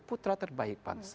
putra terbaik bangsa